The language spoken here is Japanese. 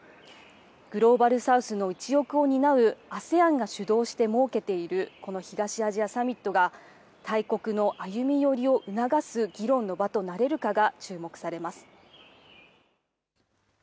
グローバル・サウスの一翼を担うＡＳＥＡＮが主導して設けているこの東アジアサミットが、大国の歩み寄りを促す議論の場となれるかが注目されます。